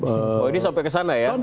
oh ini sampai kesana ya